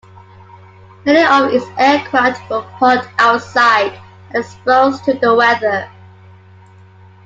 Many of its aircraft were parked outside and exposed to the weather.